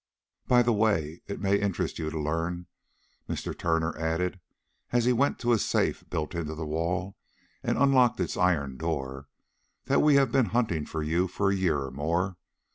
"By the way, it may interest you to learn," Mr. Turner added, as he went to a safe built into the wall and unlocked its iron door, "that we have been hunting for you for a year or more.